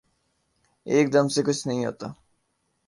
ایک دم سے کچھ نہیں ہوتا۔